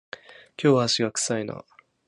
今日は足が臭いな